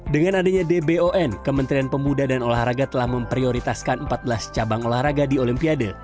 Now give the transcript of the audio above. dengan adanya dbon kementerian pemuda dan olahraga telah memprioritaskan empat belas cabang olahraga di olimpiade